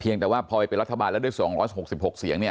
เพียงแต่ว่าพอไปเป็นรัฐบาลแล้วด้วยส่วนห้าร้อยหกสิบหกเสียงเนี่ย